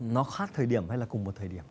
nó khác thời điểm hay là cùng một thời điểm